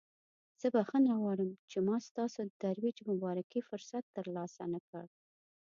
زه بخښنه غواړم چې ما ستاسو د ترویج د مبارکۍ فرصت ترلاسه نکړ.